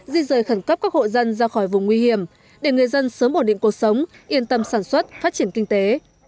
di rời khẩn cấp các hộ dân ra khỏi vùng nguy hiểm để người dân sớm ổn định cuộc sống yên tâm sản xuất phát triển kinh tế